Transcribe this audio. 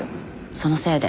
そのせいで。